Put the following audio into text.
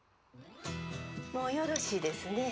もうよろしいですね。